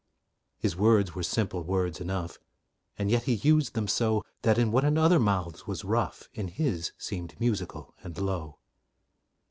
His words were simple words enough, And yet he used them so, That what in other mouths was rough In his seemed musical and low.